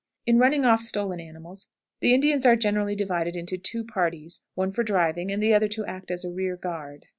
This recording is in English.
In running off stolen animals, the Indians are generally divided into two parties, one for driving and the other to act as a rear guard.